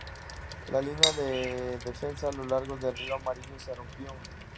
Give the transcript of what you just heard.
La línea de defensa a lo largo del río Amarillo se rompió.